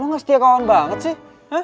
gue gak setia kawan banget sih